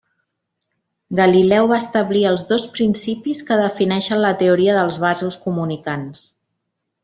Galileu va establir els dos principis que defineixen la teoria dels vasos comunicants.